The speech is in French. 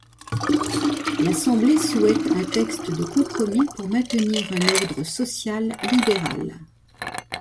L'Assemblée souhaite un texte de compromis pour maintenir un ordre social libéral.